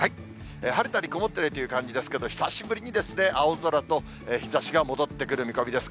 晴れたり曇ったりという感じですけれども、久しぶりに青空と、日ざしが戻ってくる見込みです。